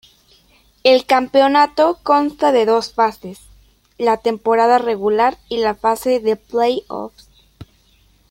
El campeonato consta de dos fases: la temporada regular y la fase de play-offs.